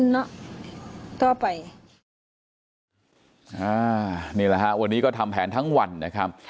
นี่แหละฮะวันนี้ก็ทำแผนทั้งวันนะครับ